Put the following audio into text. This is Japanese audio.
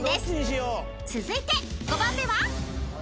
［続いて５番目は？］